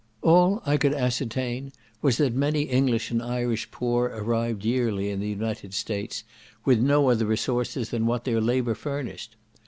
All I could ascertain was, that many English and Irish poor arrived yearly in the United States, with no other resources than what their labour furnished.